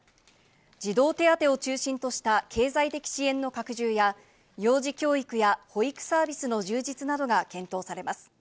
児童手当を中心とした経済的支援の拡充や、幼児教育や保育サービスの充実などが検討されます。